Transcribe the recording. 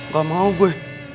gak mau gue